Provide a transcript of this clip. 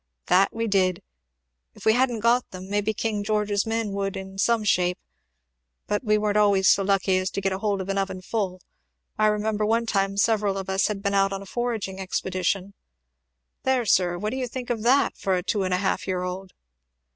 "That we did! If we hadn't got them maybe King George's men would, in some shape. But we weren't always so lucky as to get hold of an oven full. I remember one time several of us had been out on a foraging expedition there, sir, what do you think of that for a two and a half year old?"